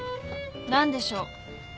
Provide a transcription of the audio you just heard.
何でしょう？